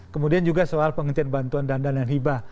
kemudian juga soal penghentian bantuan dana dan hibah